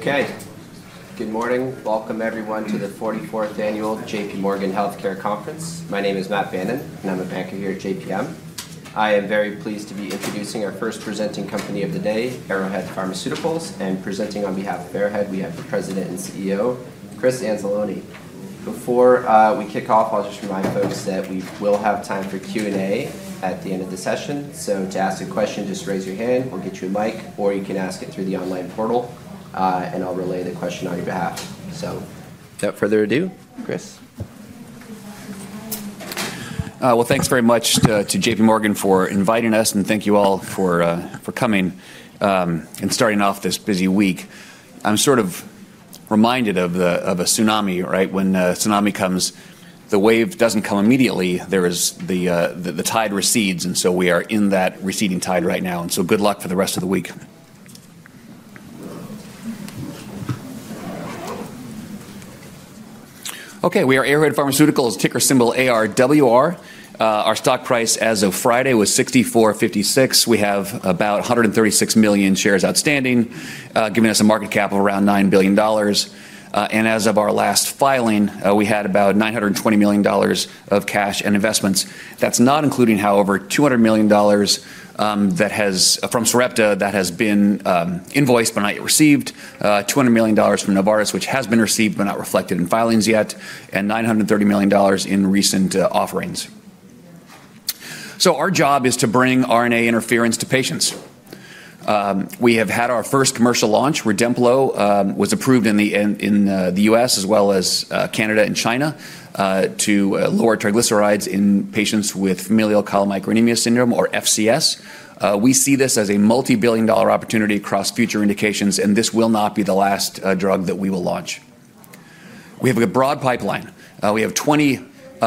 Okay. Good morning. Welcome, everyone, to the 44th Annual JPMorgan Healthcare Conference. My name is Matt Bannon, and I'm a banker here at JPM. I am very pleased to be introducing our first presenting company of the day, Arrowhead Pharmaceuticals, and presenting on behalf of Arrowhead, we have the President and CEO, Chris Anzalone. Before we kick off, I'll just remind folks that we will have time for Q&A at the end of the session. So to ask a question, just raise your hand. We'll get you a mic, or you can ask it through the online portal, and I'll relay the question on your behalf. So, without further ado, Chris. Well, thanks very much to JPMorgan for inviting us, and thank you all for coming and starting off this busy week. I'm sort of reminded of a tsunami, right? When a tsunami comes, the wave doesn't come immediately. The tide recedes, and so we are in that receding tide right now. And so good luck for the rest of the week. Okay. We are Arrowhead Pharmaceuticals, ticker symbol ARWR. Our stock price as of Friday was $6.456. We have about 136 million shares outstanding, giving us a market cap of around $9 billion. And as of our last filing, we had about $920 million of cash and investments. That's not including, however, $200 million from Sarepta that has been invoiced but not yet received, $200 million from Novartis, which has been received but not reflected in filings yet, and $930 million in recent offerings. Our job is to bring RNA interference to patients. We have had our first commercial launch. Rudemplo was approved in the US, as well as Canada and China, to lower triglycerides in patients with familial chylomicronemia syndrome, or FCS. We see this as a multi-billion-dollar opportunity across future indications, and this will not be the last drug that we will launch. We have a broad pipeline. We have 20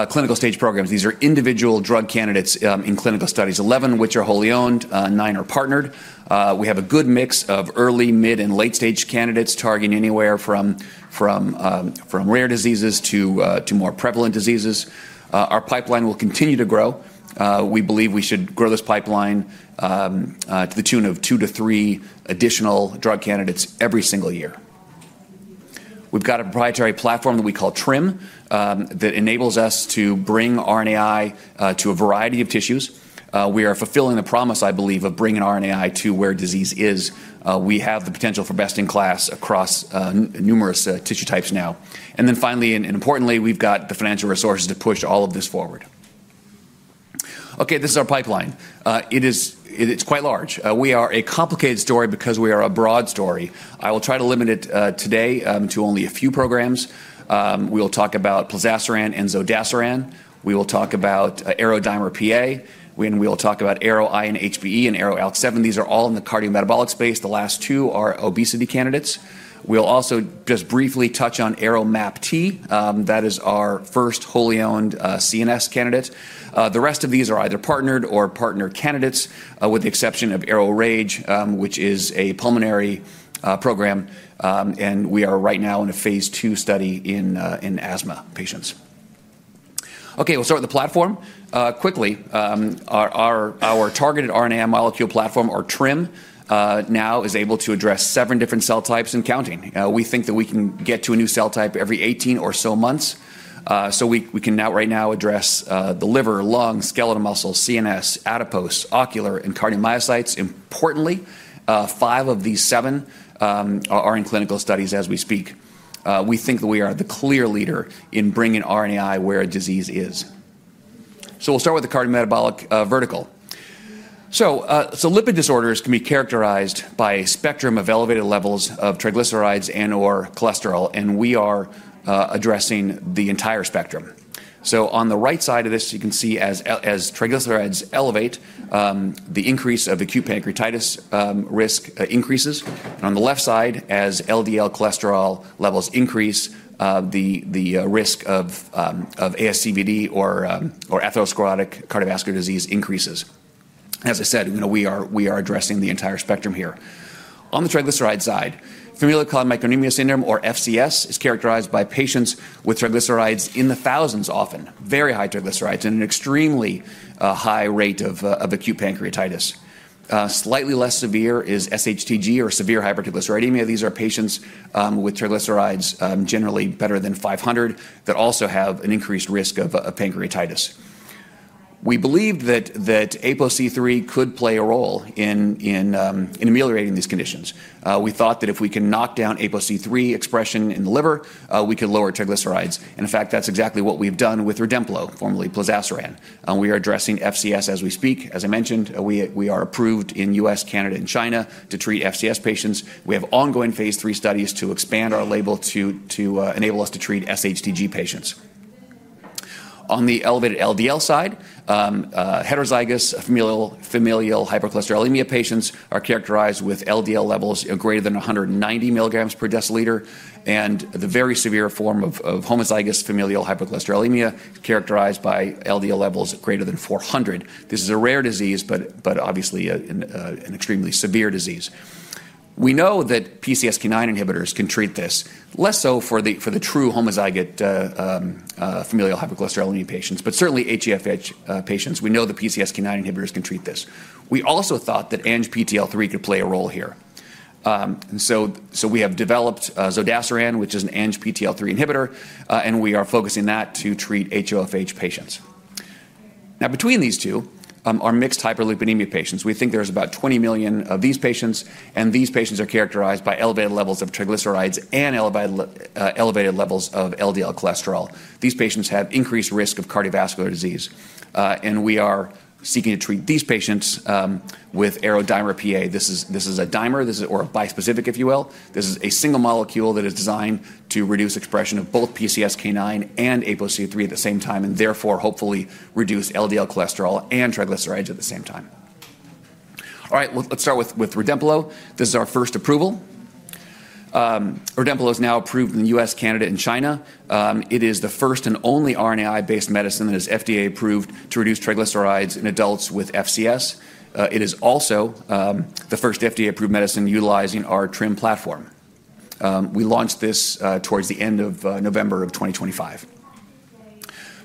clinical stage programs. These are individual drug candidates in clinical studies, 11 which are wholly owned, 9 are partnered. We have a good mix of early, mid, and late stage candidates targeting anywhere from rare diseases to more prevalent diseases. Our pipeline will continue to grow. We believe we should grow this pipeline to the tune of two to three additional drug candidates every single year. We've got a proprietary platform that we call TRiM that enables us to bring RNAi to a variety of tissues. We are fulfilling the promise, I believe, of bringing RNAi to where disease is. We have the potential for best-in-class across numerous tissue types now. And then finally, and importantly, we've got the financial resources to push all of this forward. Okay. This is our pipeline. It's quite large. We are a complicated story because we are a broad story. I will try to limit it today to only a few programs. We will talk about Plozasiran and Zodasiran. We will talk about ARO-Dimer-PA, and we will talk about ARO-INHBE and ARO-ALK7. These are all in the cardiometabolic space. The last two are obesity candidates. We'll also just briefly touch on ARO-MAPT. That is our first wholly owned CNS candidate. The rest of these are either partnered or partnered candidates, with the exception of ARO-RAGE, which is a pulmonary program, and we are right now in a phase 2 study in asthma patients. Okay. We'll start with the platform. Quickly, our targeted RNAi molecule platform, or TRiM, now is able to address seven different cell types and counting. We think that we can get to a new cell type every 18 or so months. So we can now, right now, address the liver, lungs, skeletal muscles, CNS, adipose, ocular, and cardiomyocytes. Importantly, five of these seven are in clinical studies as we speak. We think that we are the clear leader in bringing RNAi where disease is. So we'll start with the cardiometabolic vertical. So lipid disorders can be characterized by a spectrum of elevated levels of triglycerides and/or cholesterol, and we are addressing the entire spectrum. On the right side of this, you can see as triglycerides elevate, the increase of acute pancreatitis risk increases. On the left side, as LDL cholesterol levels increase, the risk of ASCVD or atherosclerotic cardiovascular disease increases. As I said, we are addressing the entire spectrum here. On the triglyceride side, familial chylomicronemia syndrome, or FCS, is characterized by patients with triglycerides in the thousands often, very high triglycerides, and an extremely high rate of acute pancreatitis. Slightly less severe is SHTG, or severe hypertriglyceridemia. These are patients with triglycerides generally better than 500 that also have an increased risk of pancreatitis. We believe that ApoC3 could play a role in ameliorating these conditions. We thought that if we can knock down ApoC3 expression in the liver, we could lower triglycerides. And in fact, that's exactly what we've done with Rudemplo, formerly Plozasiran. We are addressing FCS as we speak. As I mentioned, we are approved in the U.S., Canada, and China to treat FCS patients. We have ongoing phase three studies to expand our label to enable us to treat SHTG patients. On the elevated LDL side, heterozygous familial hypercholesterolemia patients are characterized with LDL levels greater than 190 milligrams per deciliter, and the very severe form of homozygous familial hypercholesterolemia is characterized by LDL levels greater than 400. This is a rare disease, but obviously an extremely severe disease. We know that PCSK9 inhibitors can treat this, less so for the true homozygous familial hypercholesterolemia patients, but certainly HeFH patients. We also thought that ANGPTL3 could play a role here. And so we have developed Zodasiran, which is an ANGPTL3 inhibitor, and we are focusing that to treat HoFH patients. Now, between these two are mixed hyperlipidemia patients. We think there's about 20 million of these patients, and these patients are characterized by elevated levels of triglycerides and elevated levels of LDL cholesterol. These patients have increased risk of cardiovascular disease, and we are seeking to treat these patients with ARO-Dimer-PA. This is a dimer, or a bispecific, if you will. This is a single molecule that is designed to reduce expression of both PCSK9 and ApoC3 at the same time, and therefore, hopefully, reduce LDL cholesterol and triglycerides at the same time. All right. Let's start with Rudemplo. This is our first approval. Rudemplo is now approved in the US, Canada, and China. It is the first and only RNAi-based medicine that is FDA-approved to reduce triglycerides in adults with FCS. It is also the first FDA-approved medicine utilizing our TRiM platform. We launched this towards the end of November of 2025.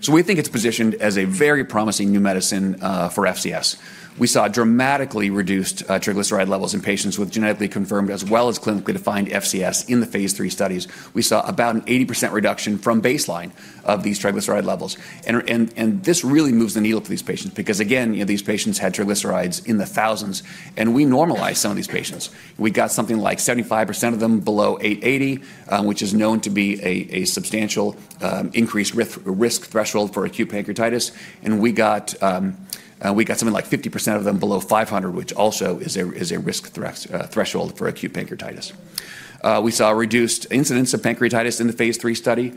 We think it's positioned as a very promising new medicine for FCS. We saw dramatically reduced triglyceride levels in patients with genetically confirmed as well as clinically defined FCS in the phase three studies. We saw about an 80% reduction from baseline of these triglyceride levels. This really moves the needle for these patients because, again, these patients had triglycerides in the thousands, and we normalized some of these patients. We got something like 75% of them below 880, which is known to be a substantial increased risk threshold for acute pancreatitis. We got something like 50% of them below 500, which also is a risk threshold for acute pancreatitis. We saw reduced incidence of pancreatitis in the phase three study.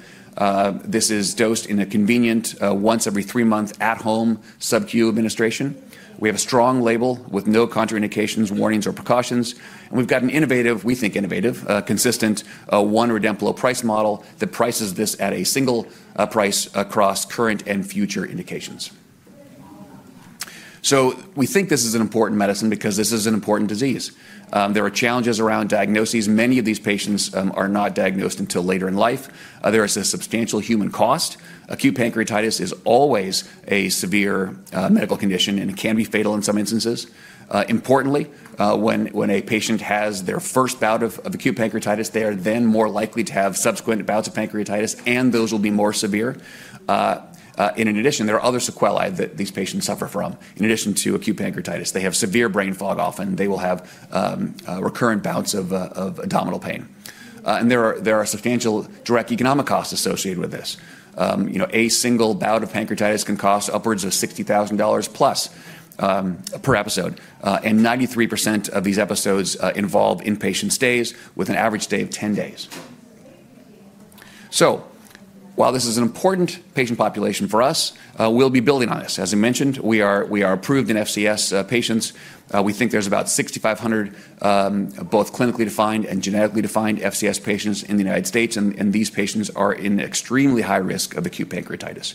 This is dosed in a convenient once every three months at home SubQ administration. We have a strong label with no contraindications, warnings, or precautions, and we've got an innovative, we think innovative, consistent one Rudemplo price model that prices this at a single price across current and future indications, so we think this is an important medicine because this is an important disease. There are challenges around diagnoses. Many of these patients are not diagnosed until later in life. There is a substantial human cost. Acute pancreatitis is always a severe medical condition and can be fatal in some instances. Importantly, when a patient has their first bout of acute pancreatitis, they are then more likely to have subsequent bouts of pancreatitis, and those will be more severe. In addition, there are other sequelae that these patients suffer from. In addition to acute pancreatitis, they have severe brain fog often. They will have recurrent bouts of abdominal pain. And there are substantial direct economic costs associated with this. A single bout of pancreatitis can cost upwards of $60,000 plus per episode, and 93% of these episodes involve inpatient stays with an average stay of 10 days. So while this is an important patient population for us, we'll be building on this. As I mentioned, we are approved in FCS patients. We think there's about 6,500 both clinically defined and genetically defined FCS patients in the United States, and these patients are in extremely high risk of acute pancreatitis.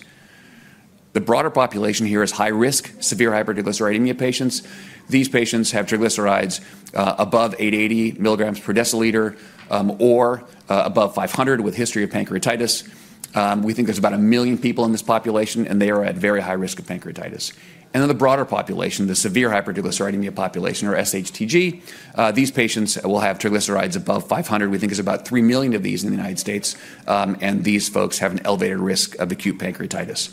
The broader population here is high-risk, severe hypertriglyceridemia patients. These patients have triglycerides above 880 milligrams per deciliter or above 500 with a history of pancreatitis. We think there's about a million people in this population, and they are at very high risk of pancreatitis. And then the broader population, the severe hypertriglyceridemia population, or SHTG, these patients will have triglycerides above 500. We think there's about three million of these in the United States, and these folks have an elevated risk of acute pancreatitis.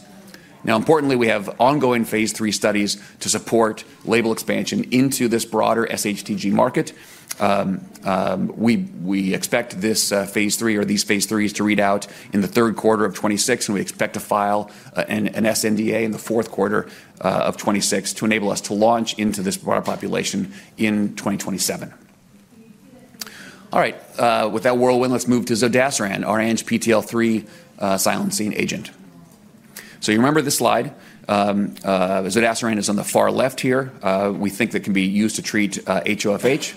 Now, importantly, we have ongoing phase three studies to support label expansion into this broader SHTG market. We expect this phase three, or these phase threes, to read out in the third quarter of 2026, and we expect to file an sNDA in the fourth quarter of 2026 to enable us to launch into this broader population in 2027. All right. With that whirlwind, let's move to Zodasiran, our ANGPTL3 silencing agent. So you remember this slide? Zodasiran is on the far left here. We think that it can be used to treat HoFH.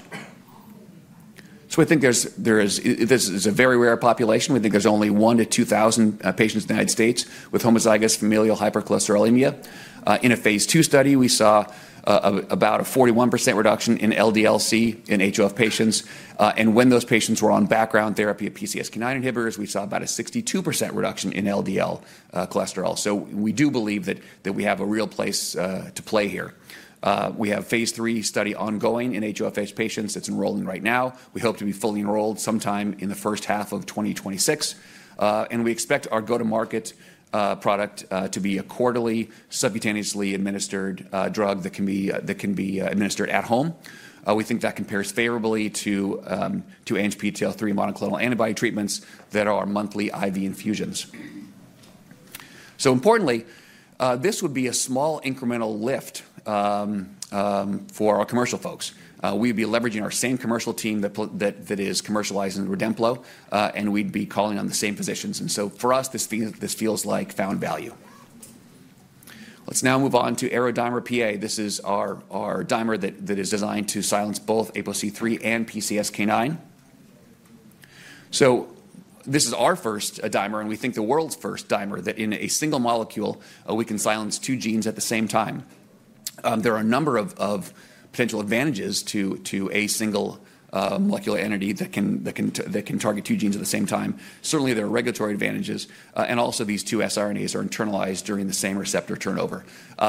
So we think there is a very rare population. We think there's only one to 2,000 patients in the United States with homozygous familial hypercholesterolemia. In a phase two study, we saw about a 41% reduction in LDL-C in HoFH patients, and when those patients were on background therapy of PCSK9 inhibitors, we saw about a 62% reduction in LDL cholesterol, so we do believe that we have a real place to play here. We have a phase three study ongoing in HoFH patients that's enrolling right now. We hope to be fully enrolled sometime in the first half of 2026, and we expect our go-to-market product to be a quarterly, subcutaneously administered drug that can be administered at home. We think that compares favorably to ANGPTL3 monoclonal antibody treatments that are monthly IV infusions, so importantly, this would be a small incremental lift for our commercial folks. We'd be leveraging our same commercial team that is commercializing Rudemplo, and we'd be calling on the same physicians, and so for us, this feels like found value. Let's now move on to ARO-Dimer-PA. This is our dimer that is designed to silence both ApoC3 and PCSK9 So this is our first dimer, and we think the world's first dimer that in a single molecule, we can silence two genes at the same time. There are a number of potential advantages to a single molecular entity that can target two genes at the same time. Certainly, there are regulatory advantages, and also, these two siRNAs are internalized during the same receptor turnover.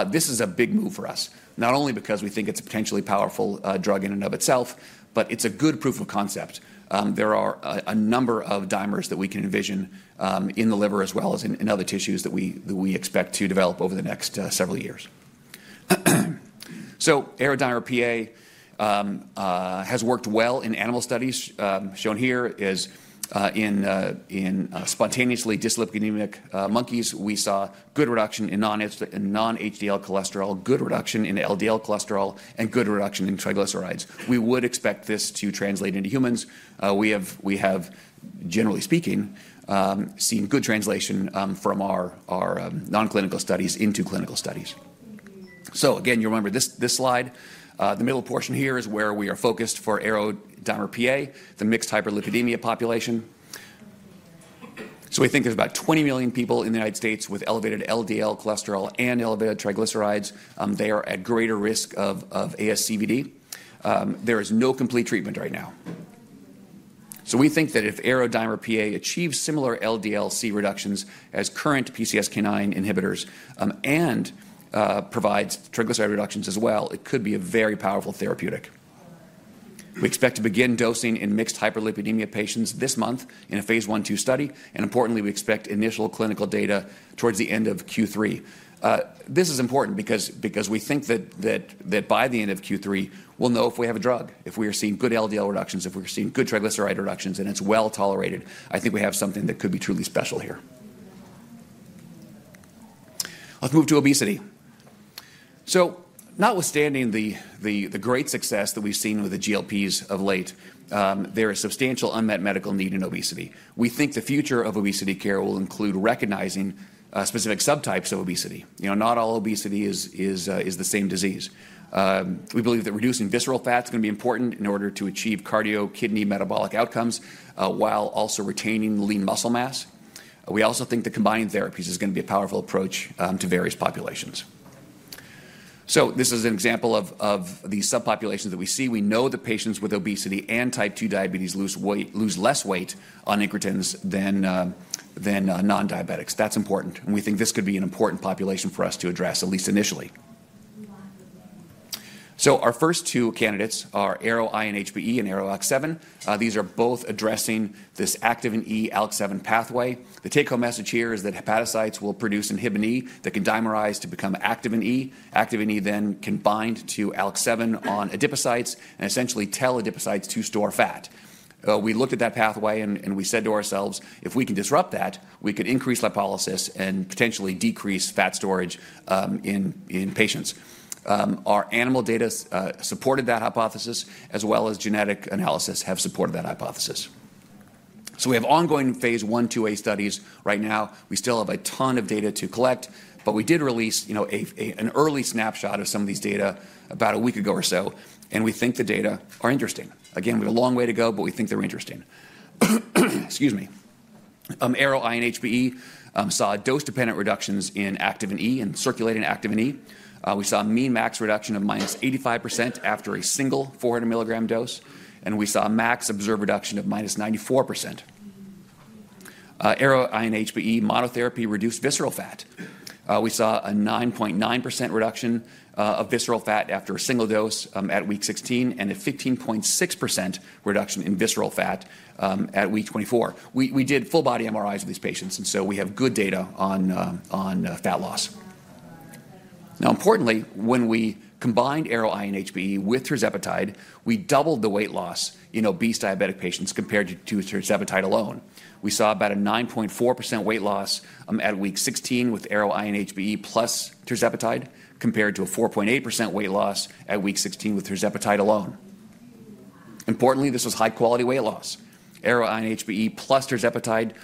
This is a big move for us, not only because we think it's a potentially powerful drug in and of itself, but it's a good proof of concept. There are a number of dimers that we can envision in the liver as well as in other tissues that we expect to develop over the next several years, So ARO-Dimer-PA has worked well in animal studies. Shown here is in spontaneously dyslipidemic monkeys. We saw good reduction in non-HDL cholesterol, good reduction in LDL cholesterol, and good reduction in triglycerides. We would expect this to translate into humans. We have, generally speaking, seen good translation from our non-clinical studies into clinical studies, so again, you remember this slide. The middle portion here is where we are focused for ARO-Dimer-PA, the mixed hyperlipidemia population, so we think there's about 20 million people in the United States with elevated LDL cholesterol and elevated triglycerides. They are at greater risk of ASCVD. There is no complete treatment right now. So we think that if ARO-Dimer-PA achieves similar LDLc reductions as current PCSK9 inhibitors and provides triglyceride reductions as well, it could be a very powerful therapeutic. We expect to begin dosing in mixed hyperlipidemia patients this month in a phase 1/2 study. And importantly, we expect initial clinical data towards the end of Q3. This is important because we think that by the end of Q3, we'll know if we have a drug, if we are seeing good LDL reductions, if we are seeing good triglyceride reductions, and it's well tolerated. I think we have something that could be truly special here. Let's move to obesity. So not withstanding the great success that we've seen with the GLPs of late, there is substantial unmet medical need in obesity. We think the future of obesity care will include recognizing specific subtypes of obesity. Not all obesity is the same disease. We believe that reducing visceral fat is going to be important in order to achieve cardio-kidney metabolic outcomes while also retaining lean muscle mass. We also think that combining therapies is going to be a powerful approach to various populations. So this is an example of the subpopulations that we see. We know that patients with obesity and type 2 diabetes lose less weight on incretins than non-diabetics. That's important, and we think this could be an important population for us to address, at least initially. So our first two candidates are ARO-INHBE and ARO-ALK7. These are both addressing this Activin E ALK7 pathway. The take-home message here is that hepatocytes will produce Inhibin E that can dimerize to become Activin E. Activin E then can bind to ALK7 on adipocytes and essentially tell adipocytes to store fat. We looked at that pathway, and we said to ourselves, "If we can disrupt that, we can increase lipolysis and potentially decrease fat storage in patients." Our animal data supported that hypothesis, as well as genetic analysis has supported that hypothesis. So we have ongoing phase 1/2 A studies right now. We still have a ton of data to collect, but we did release an early snapshot of some of these data about a week ago or so, and we think the data are interesting. Again, we have a long way to go, but we think they're interesting. Excuse me. ARO-INHBE saw dose-dependent reductions in Activin E and circulating Activin E. We saw a mean max reduction of -85% after a single 400 milligram dose, and we saw max observed reduction of -94%.ARO-INHBE monotherapy reduced visceral fat. We saw a 9.9% reduction of visceral fat after a single dose at week 16 and a 15.6% reduction in visceral fat at week 24. We did full-body MRIs of these patients, and so we have good data on fat loss. Now, importantly, when we combined ARO-INHBE with tirzepatide, we doubled the weight loss in obese diabetic patients compared to tirzepatide alone. We saw about a 9.4% weight loss at week 16 with ARO-INHBE plus tirzepatide compared to a 4.8% weight loss at week 16 with tirzepatide alone. Importantly, this was high-quality weight loss. ARO-INHBE plus tirzepatide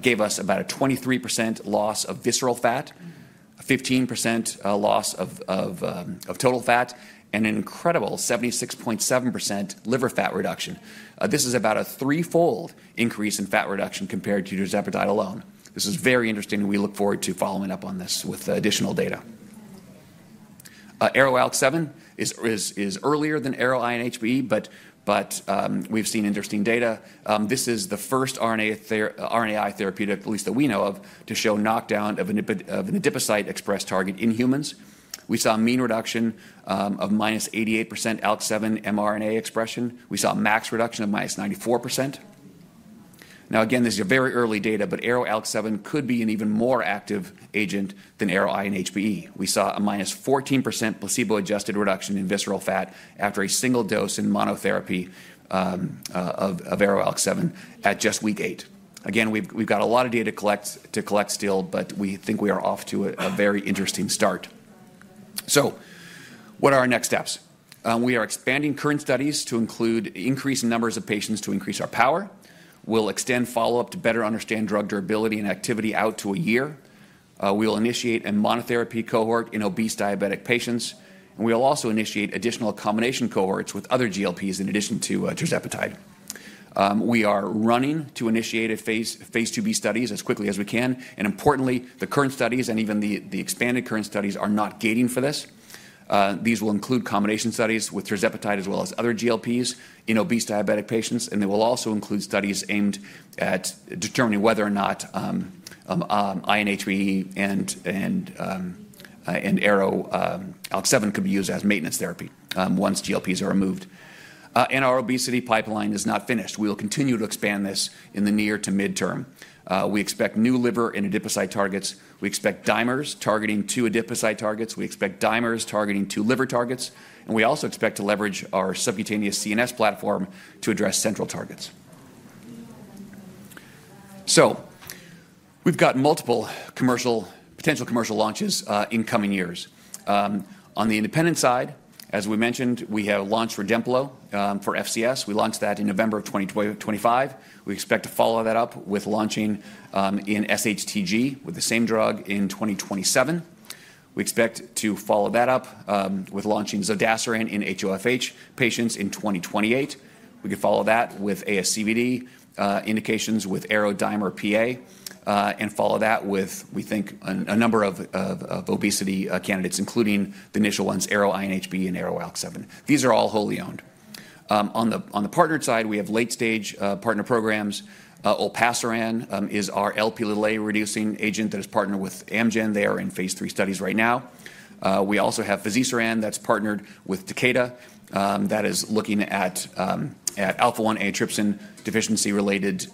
gave us about a 23% loss of visceral fat, a 15% loss of total fat, and an incredible 76.7% liver fat reduction. This is about a threefold increase in fat reduction compared to tirzepatide alone. This is very interesting, and we look forward to following up on this with additional data. ARO-ALK7 is earlier than ARO-INHBE, but we've seen interesting data. This is the first RNAi therapeutic, at least that we know of, to show knockdown of an adipocyte-expressed target in humans. We saw mean reduction of minus 88% ALK7 mRNA expression. We saw max reduction of minus 94%. Now, again, this is very early data, but ARO-ALK7 could be an even more active agent than ARO-INHBE. We saw a minus 14% placebo-adjusted reduction in visceral fat after a single dose in monotherapy of ARO-ALK7 at just week eight. Again, we've got a lot of data to collect still, but we think we are off to a very interesting start. So what are our next steps? We are expanding current studies to include increased numbers of patients to increase our power. We'll extend follow-up to better understand drug durability and activity out to a year. We'll initiate a monotherapy cohort in obese diabetic patients, and we'll also initiate additional combination cohorts with other GLPs in addition to Tirzepatide. We are running to initiate phase 2B studies as quickly as we can. Importantly, the current studies and even the expanded current studies are not gating for this. These will include combination studies with Tirzepatide as well as other GLPs in obese diabetic patients, and they will also include studies aimed at determining whether or not INHBE and ARO-ALK7 could be used as maintenance therapy once GLPs are removed. Our obesity pipeline is not finished. We'll continue to expand this in the near to midterm. We expect new liver and adipocyte targets. We expect dimers targeting two adipocyte targets. We expect dimers targeting two liver targets. And we also expect to leverage our subcutaneous CNS platform to address central targets. So we've got multiple potential commercial launches in coming years. On the independent side, as we mentioned, we have launched Rudemplo for FCS. We launched that in November of 2025. We expect to follow that up with launching in SHTG with the same drug in 2027. We expect to follow that up with launching zodasiran in HoFH patients in 2028. We could follow that with ASCVD indications with ARO-Dimer-PA and follow that with, we think, a number of obesity candidates, including the initial ones, ARO-INHBE and ARO-ALK7. These are all wholly owned. On the partnered side, we have late-stage partner programs. Olpasiran is our Lp(a) reducing agent that is partnered with Amgen. They are in phase 3 studies right now. We also have fazirsiran that's partnered with Takeda that is looking at alpha-1 antitrypsin deficiency-related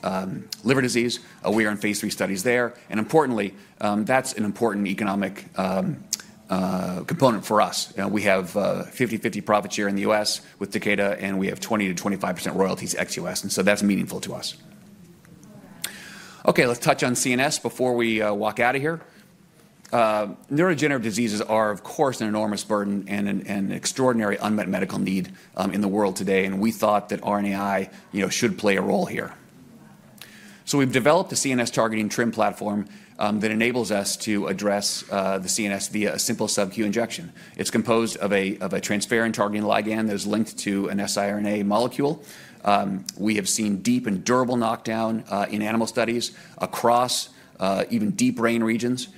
liver disease. We are in phase 3 studies there. And importantly, that's an important economic component for us. We have 50/50 profits here in the U.S. with Takeda, and we have 20%-25% royalties ex U.S. And so that's meaningful to us. Okay, let's touch on CNS before we walk out of here. Neurodegenerative diseases are, of course, an enormous burden and an extraordinary unmet medical need in the world today, and we thought that RNAi should play a role here. So we've developed a CNS-targeting TRiM platform that enables us to address the CNS via a simple SubQ injection. It's composed of a transferrin targeting ligand that is linked to an siRNA molecule. We have seen deep and durable knockdown in animal studies across even deep brain regions.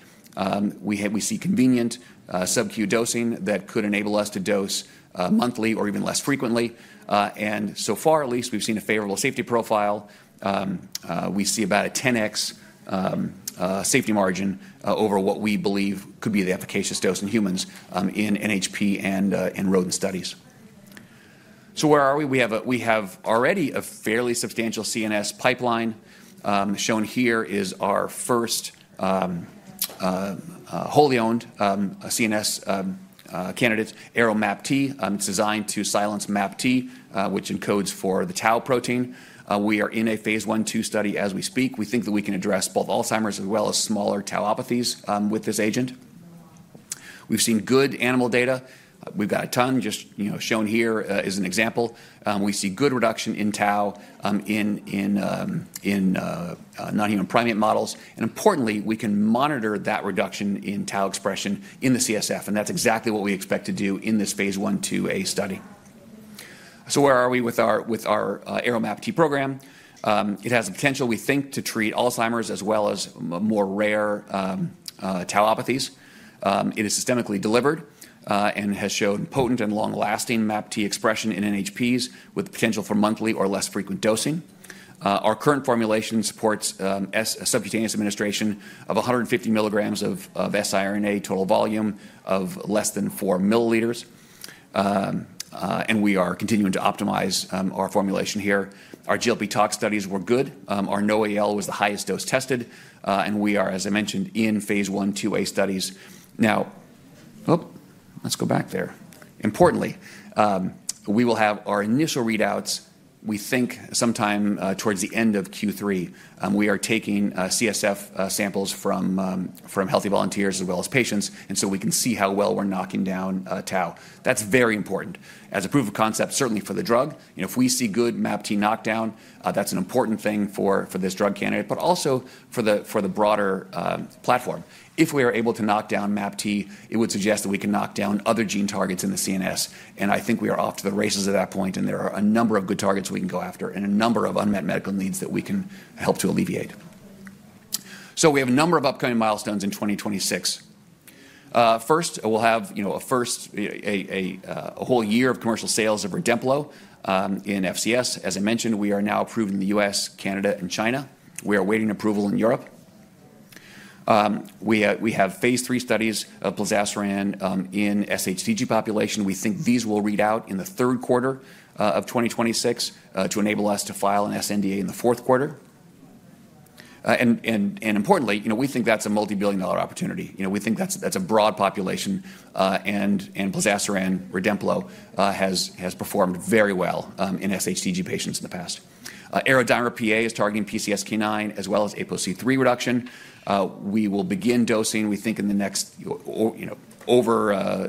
We see convenient subQ dosing that could enable us to dose monthly or even less frequently. And so far, at least, we've seen a favorable safety profile. We see about a 10x safety margin over what we believe could be the efficacious dose in humans in NHP and rodent studies. So where are we? We have already a fairly substantial CNS pipeline. Shown here is our first wholly owned CNS candidate, ARO-MAPT. It's designed to silence MAPT, which encodes for the tau protein. We are in a phase 1/2 study as we speak. We think that we can address both Alzheimer's as well as smaller tauopathies with this agent. We've seen good animal data. We've got a ton. Just shown here is an example. We see good reduction in tau in non-human primate models. Importantly, we can monitor that reduction in tau expression in the CSF, and that's exactly what we expect to do in this phase 1/2A study. Where are we with our ARO-MAPT program? It has the potential, we think, to treat Alzheimer's as well as more rare tauopathies. It is systemically delivered and has shown potent and long-lasting MAPT expression in NHPs with potential for monthly or less frequent dosing. Our current formulation supports subcutaneous administration of 150 milligrams of siRNA total volume of less than four milliliters. We are continuing to optimize our formulation here. Our GLP tox studies were good. Our NOAEL was the highest dose tested, and we are, as I mentioned, in phase 1/2A studies. Now, let's go back there. Importantly, we will have our initial readouts, we think, sometime towards the end of Q3. We are taking CSF samples from healthy volunteers as well as patients, and so we can see how well we're knocking down tau. That's very important as a proof of concept, certainly for the drug. If we see good MAPT knockdown, that's an important thing for this drug candidate, but also for the broader platform. If we are able to knock down MAPT, it would suggest that we can knock down other gene targets in the CNS. And I think we are off to the races at that point, and there are a number of good targets we can go after and a number of unmet medical needs that we can help to alleviate. So we have a number of upcoming milestones in 2026. First, we'll have a whole year of commercial sales of Rudemplo in FCS. As I mentioned, we are now approved in the U.S., Canada, and China. We are waiting approval in Europe. We have phase three studies of plozasiran in SHTG population. We think these will read out in the third quarter of 2026 to enable us to file an SNDA in the fourth quarter, and importantly, we think that's a multi-billion dollar opportunity. We think that's a broad population, and plozasiran, Rudemplo has performed very well in SHTG patients in the past. ARO-Dimer-PA is targeting PCSK9 as well as ApoC3 reduction. We will begin dosing, we think, in the next year over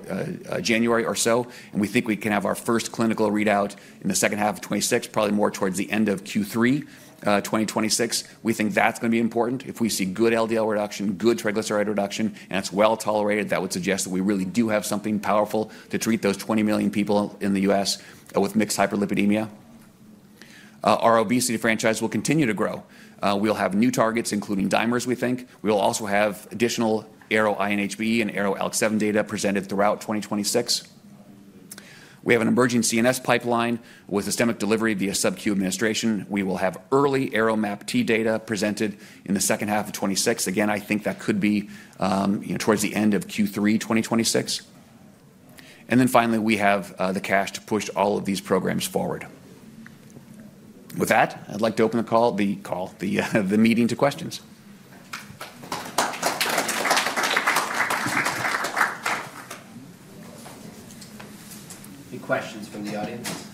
January or so, and we think we can have our first clinical readout in the second half of 2026, probably more towards the end of Q3 2026. We think that's going to be important. If we see good LDL reduction, good triglyceride reduction, and it's well tolerated, that would suggest that we really do have something powerful to treat those 20 million people in the US with mixed hyperlipidemia. Our obesity franchise will continue to grow. We'll have new targets, including dimers, we think. We'll also have additional ARO-INHBE and ARO-ALK7 data presented throughout 2026. We have an emerging CNS pipeline with systemic delivery via subQ administration. We will have early ARO-MAPT data presented in the second half of 2026. Again, I think that could be towards the end of Q3 2026. And then finally, we have the cash to push all of these programs forward. With that, I'd like to open the call, the meeting to questions. Any questions from the audience?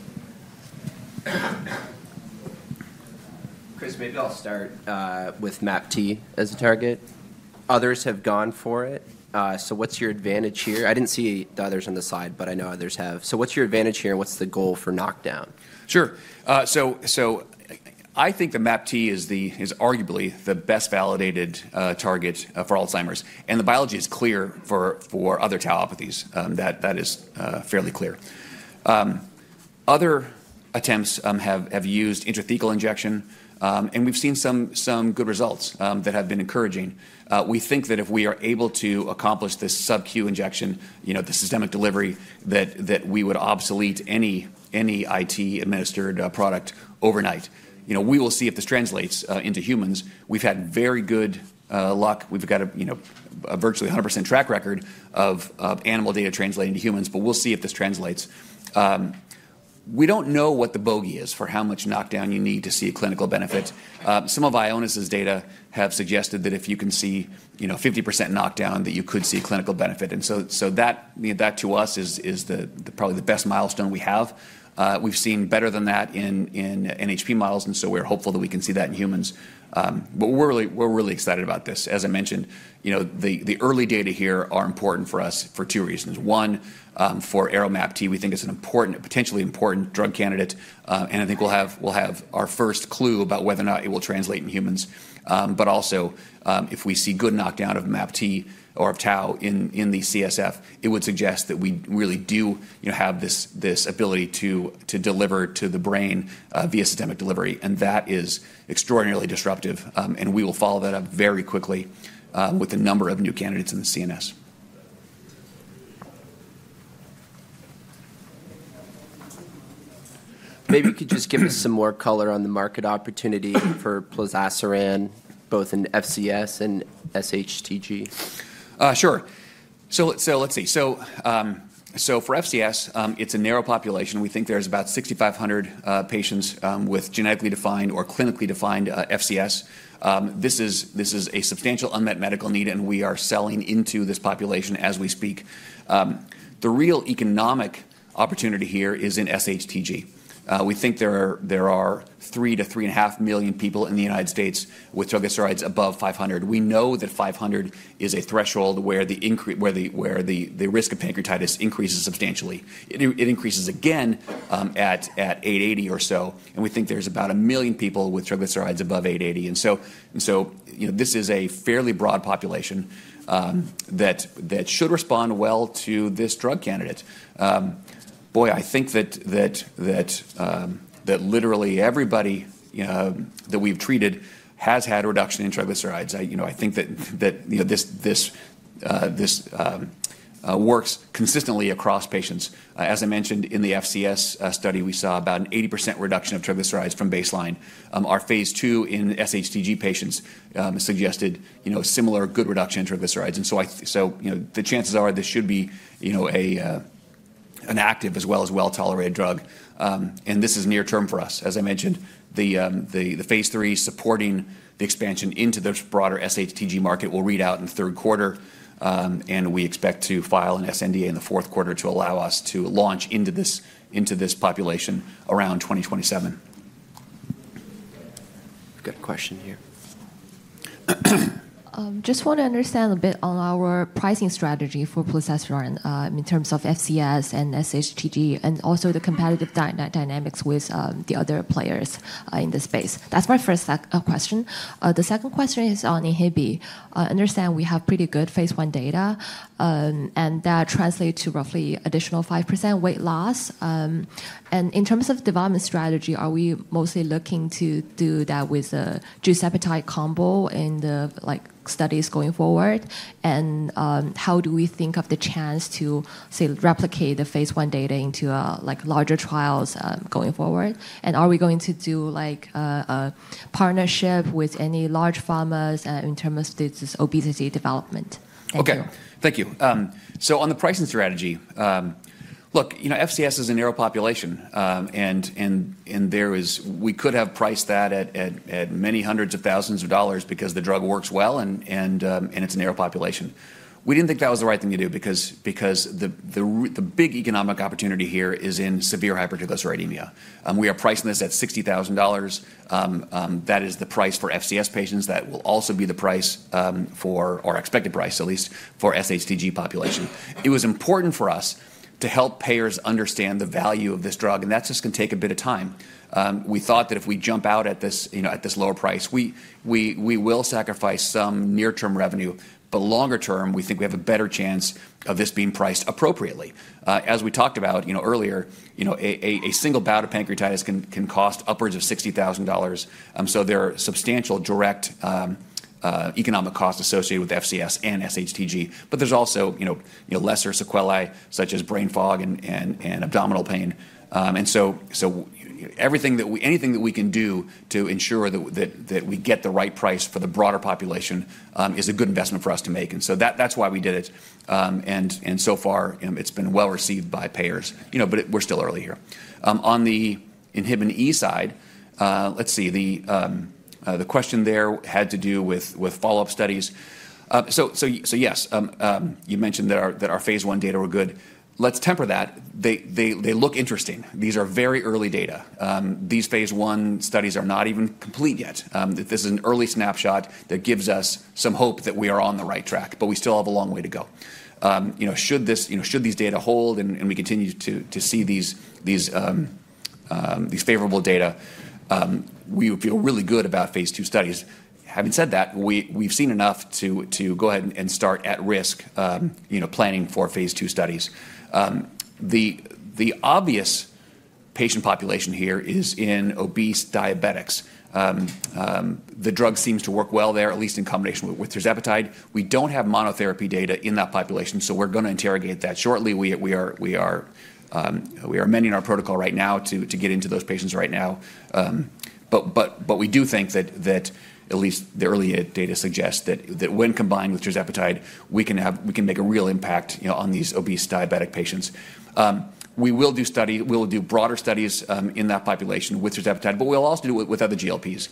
Chris, maybe I'll start with MAPT as a target. Others have gone for it. So what's your advantage here? I didn't see the others on the side, but I know others have. So what's your advantage here, and what's the goal for knockdown? Sure. So I think the MAPT is arguably the best validated target for Alzheimer's, and the biology is clear for other tauopathies. That is fairly clear. Other attempts have used intrathecal injection, and we've seen some good results that have been encouraging. We think that if we are able to accomplish this subQ injection, the systemic delivery that we would obsolete any IT-administered product overnight. We will see if this translates into humans. We've had very good luck. We've got a virtually 100% track record of animal data translating to humans, but we'll see if this translates. We don't know what the bogey is for how much knockdown you need to see a clinical benefit. Some of Ionis's data have suggested that if you can see 50% knockdown, that you could see a clinical benefit. That to us is probably the best milestone we have. We've seen better than that in NHP models, and so we're hopeful that we can see that in humans. We're really excited about this. As I mentioned, the early data here are important for us for two reasons. One, for ARO-MAPT, we think it's a potentially important drug candidate, and I think we'll have our first clue about whether or not it will translate in humans. Also, if we see good knockdown of MAPT or of tau in the CSF, it would suggest that we really do have this ability to deliver to the brain via systemic delivery, and that is extraordinarily disruptive. We will follow that up very quickly with a number of new candidates in the CNS. Maybe you could just give us some more color on the market opportunity for Plozasiran, both in FCS and SHTG. Sure. Let's see. For FCS, it's a narrow population. We think there's about 6,500 patients with genetically defined or clinically defined FCS. This is a substantial unmet medical need, and we are selling into this population as we speak. The real economic opportunity here is in SHTG. We think there are three to three and a half million people in the United States with triglycerides above 500. We know that 500 is a threshold where the risk of pancreatitis increases substantially. It increases again at 880 or so, and we think there's about a million people with triglycerides above 880. And so this is a fairly broad population that should respond well to this drug candidate. Boy, I think that literally everybody that we've treated has had a reduction in triglycerides. I think that this works consistently across patients. As I mentioned, in the FCS study, we saw about an 80% reduction of triglycerides from baseline. Our phase two in SHTG patients suggested similar good reduction in triglycerides. And so the chances are this should be an active as well as well-tolerated drug. And this is near term for us. As I mentioned, the phase three supporting the expansion into this broader SHTG market will read out in the third quarter, and we expect to file an SNDA in the fourth quarter to allow us to launch into this population around 2027. We've got a question here. just want to understand a bit on our pricing strategy for Plozasiran in terms of FCS and SHTG and also the competitive dynamics with the other players in the space. That's my first question. The second question is on ARO-INHBE. I understand we have pretty good phase 1 data, and that translates to roughly additional 5% weight loss. And in terms of development strategy, are we mostly looking to do that with a GLP-1 appetite combo in the studies going forward? And how do we think of the chance to replicate the phase 1 data into larger trials going forward? And are we going to do a partnership with any large pharmas in terms of this obesity development? Okay. Thank you. On the pricing strategy, look, FCS is a narrow population, and we could have priced that at many hundreds of thousands of dollars because the drug works well and it's a narrow population. We didn't think that was the right thing to do because the big economic opportunity here is in severe hypertriglyceridemia. We are pricing this at $60,000. That is the price for FCS patients. That will also be the price for our expected price, at least for SHTG population. It was important for us to help payers understand the value of this drug, and that just can take a bit of time. We thought that if we jump out at this lower price, we will sacrifice some near-term revenue, but longer term, we think we have a better chance of this being priced appropriately. As we talked about earlier, a single bout of pancreatitis can cost upwards of $60,000. So there are substantial direct economic costs associated with FCS and SHTG, but there's also lesser sequelae such as brain fog and abdominal pain. And so anything that we can do to ensure that we get the right price for the broader population is a good investment for us to make. And so that's why we did it. And so far, it's been well received by payers, but we're still early here. On the inhibin E side, let's see. The question there had to do with follow-up studies. So yes, you mentioned that our phase one data were good. Let's temper that. They look interesting. These are very early data. These phase one studies are not even complete yet. This is an early snapshot that gives us some hope that we are on the right track, but we still have a long way to go. Should these data hold and we continue to see these favorable data, we would feel really good about phase 2 studies. Having said that, we've seen enough to go ahead and start at-risk planning for phase 2 studies. The obvious patient population here is in obese diabetics. The drug seems to work well there, at least in combination with tirzepatide. We don't have monotherapy data in that population, so we're going to interrogate that shortly. We are amending our protocol right now to get into those patients right now. We do think that at least the early data suggest that when combined with tirzepatide, we can make a real impact on these obese diabetic patients. We will do broader studies in that population with triglycerides, but we'll also do it with other GLPs.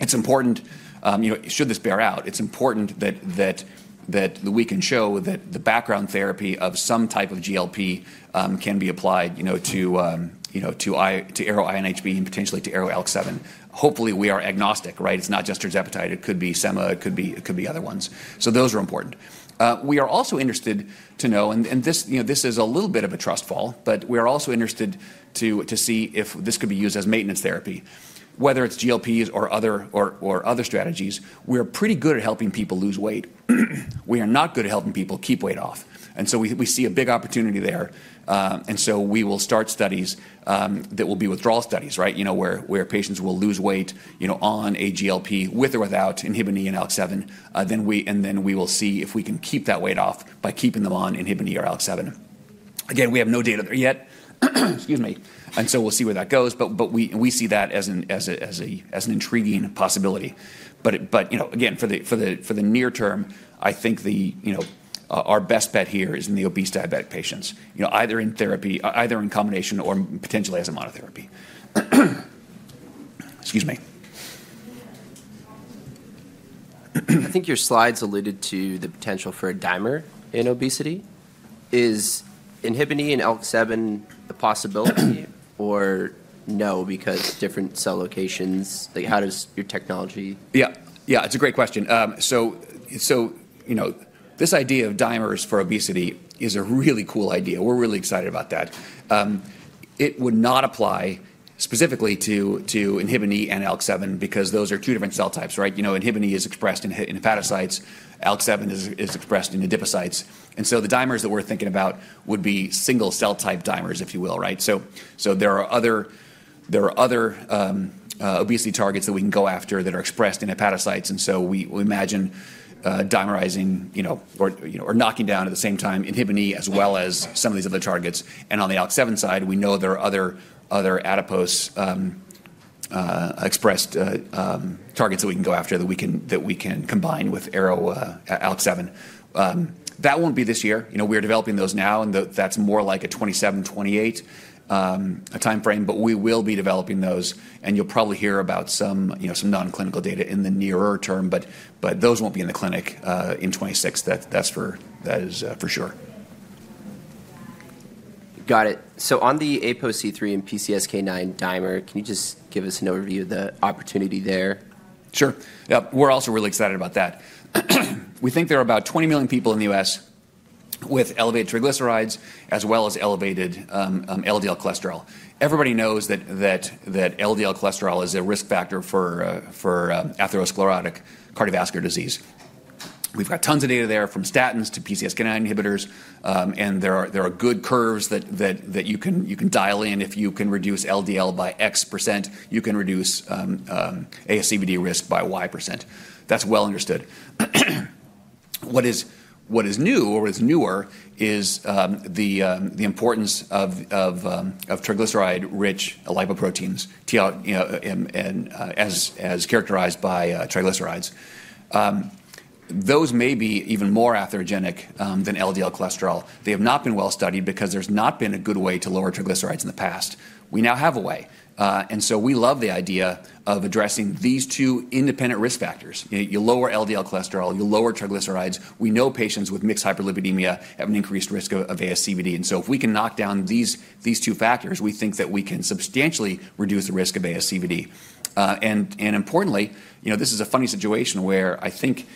It's important. Should this bear out, it's important that we can show that the background therapy of some type of GLP can be applied to ARO-INHBE and potentially to ARO-ALK7. Hopefully, we are agnostic, right? It's not just triglycerides. It could be Sema. It could be other ones. So those are important. We are also interested to know, and this is a little bit of a trust fall, but we are also interested to see if this could be used as maintenance therapy. Whether it's GLPs or other strategies, we are pretty good at helping people lose weight. We are not good at helping people keep weight off. And so we see a big opportunity there. And so we will start studies that will be withdrawal studies, right, where patients will lose weight on a GLP with or without Inhibin E and ALK7, and then we will see if we can keep that weight off by keeping them on Inhibin E or ALK7. Again, we have no data there yet. Excuse me. And so we'll see where that goes, but we see that as an intriguing possibility. But again, for the near term, I think our best bet here is in the obese diabetic patients, either in combination or potentially as a monotherapy. Excuse me. I think your slides alluded to the potential for a dimer in obesity. Is Inhibin E and ALK7 the possibility or no because different cell locations? How does your technology? Yeah. Yeah. It's a great question. So this idea of dimers for obesity is a really cool idea. We're really excited about that. It would not apply specifically to inhibin E and ALK7 because those are two different cell types, right? Inhibin E is expressed in hepatocytes. ALK7 is expressed in adipocytes. And so the dimers that we're thinking about would be single cell type dimers, if you will, right? So there are other obesity targets that we can go after that are expressed in hepatocytes. And so we imagine dimerizing or knocking down at the same time inhibin E as well as some of these other targets. And on the ALK7 side, we know there are other adipose-expressed targets that we can go after that we can combine with ARO-ALK7. That won't be this year. We are developing those now, and that's more like a 2027, 2028 timeframe, but we will be developing those. You'll probably hear about some non-clinical data in the nearer term, but those won't be in the clinic in 2026. That is for sure. Got it. On the ApoC3 and PCSK9 dimer, can you just give us an overview of the opportunity there? Sure. Yeah. We're also really excited about that. We think there are about 20 million people in the U.S. with elevated triglycerides as well as elevated LDL cholesterol. Everybody knows that LDL cholesterol is a risk factor for atherosclerotic cardiovascular disease. We've got tons of data there from statins to PCSK9 inhibitors, and there are good curves that you can dial in. If you can reduce LDL by X%, you can reduce ASCVD risk by Y%. That's well understood. What is new or is newer is the importance of triglyceride-rich lipoproteins, as characterized by triglycerides. Those may be even more atherogenic than LDL cholesterol. They have not been well studied because there's not been a good way to lower triglycerides in the past. We now have a way. And so we love the idea of addressing these two independent risk factors. You lower LDL cholesterol, you lower triglycerides. We know patients with mixed hyperlipidemia have an increased risk of ASCVD. And so if we can knock down these two factors, we think that we can substantially reduce the risk of ASCVD. And importantly, this is a funny situation where I think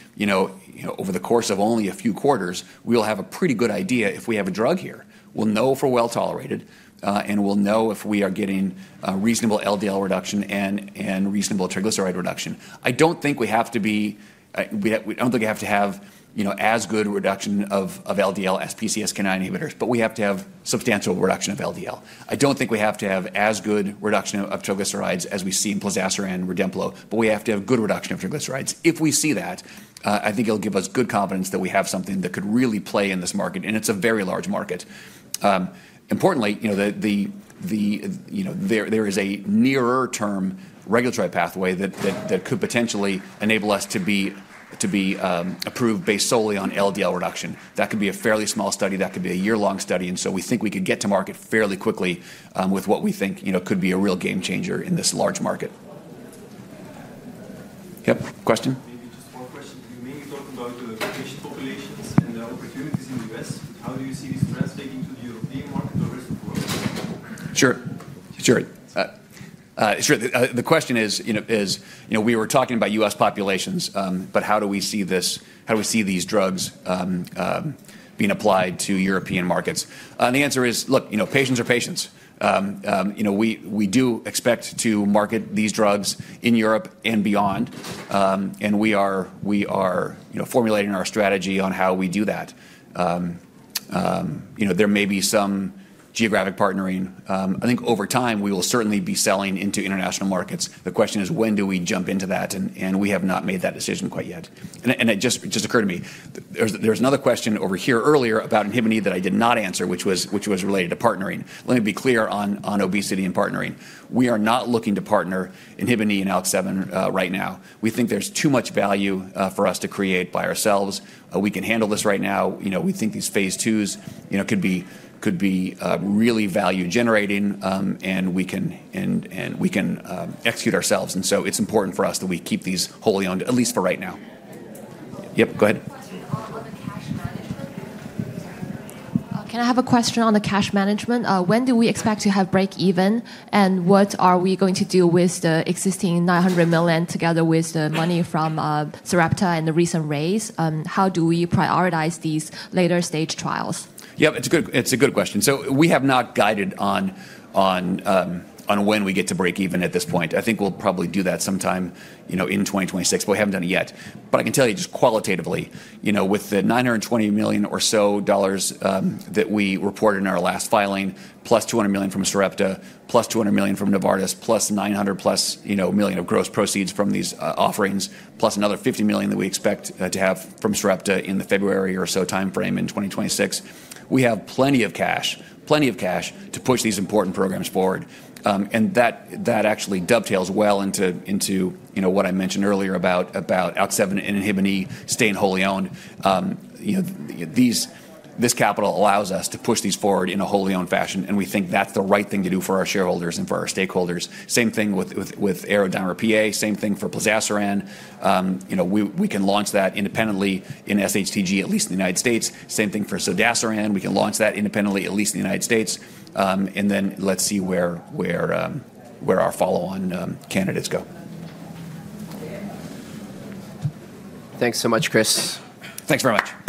over the course of only a few quarters, we will have a pretty good idea if we have a drug here. We'll know if we're well tolerated, and we'll know if we are getting reasonable LDL reduction and reasonable triglyceride reduction. I don't think we have to have as good a reduction of LDL as PCSK9 inhibitors, but we have to have substantial reduction of LDL. I don't think we have to have as good reduction of triglycerides as we see in Plozasiran and Rudemplo, but we have to have good reduction of triglycerides. If we see that, I think it'll give us good confidence that we have something that could really play in this market, and it's a very large market. Importantly, there is a nearer-term regulatory pathway that could potentially enable us to be approved based solely on LDL reduction. That could be a fairly small study. That could be a year-long study. And so we think we could get to market fairly quickly with what we think could be a real game changer in this large market. Yep. Question? Maybe just one question. You mainly talked about the patient populations and the opportunities in the US. How do you see these trends taking to the European market or rest of the world? Sure. Sure. The question is, we were talking about US populations, but how do we see these drugs being applied to European markets? And the answer is, look, patients are patients. We do expect to market these drugs in Europe and beyond, and we are formulating our strategy on how we do that. There may be some geographic partnering. I think over time, we will certainly be selling into international markets. The question is, when do we jump into that? And we have not made that decision quite yet. And it just occurred to me. There was another question over here earlier about Inhibin E that I did not answer, which was related to partnering. Let me be clear on obesity and partnering. We are not looking to partner Inhibin E and ALK7 right now. We think there's too much value for us to create by ourselves. We can handle this right now. We think these phase twos could be really value-generating, and we can execute ourselves. And so it's important for us that we keep these wholly owned, at least for right now. Yep. Go ahead. Can I have a question on the cash management? When do we expect to have breakeven, and what are we going to do with the existing $900 million together with the money from Sarepta and the recent raise? How do we prioritize these later-stage trials? Yep. It's a good question. So we have not guided on when we get to breakeven at this point. I think we'll probably do that sometime in 2026, but we haven't done it yet. But I can tell you just qualitatively, with the $920 million or so dollars that we reported in our last filing, plus $200 million from Sarepta, plus $200 million from Novartis, plus 900 plus million of gross proceeds from these offerings, plus another $50 million that we expect to have from Sarepta in the February or so timeframe in 2026, we have plenty of cash, plenty of cash to push these important programs forward. And that actually dovetails well into what I mentioned earlier about ALK7 and Inhibin E staying wholly owned. This capital allows us to push these forward in a wholly owned fashion, and we think that's the right thing to do for our shareholders and for our stakeholders. Same thing with ARO-Dimer-PA, same thing for Plozasiran. We can launch that independently in SHTG, at least in the United States. Same thing for zodasiran. We can launch that independently, at least in the United States. And then let's see where our follow-on candidates go. Thanks so much, Chris. Thanks very much.